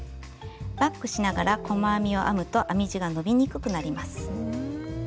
バックしながら細編みを編むと編み地が伸びにくくなります。